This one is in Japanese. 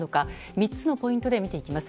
３つのポイントで見ていきます。